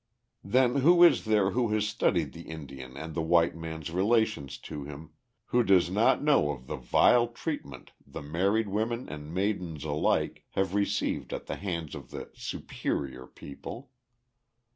] Then who is there who has studied the Indian and the white man's relation to him, who does not know of the vile treatment the married women and maidens alike have received at the hands of the "superior" people.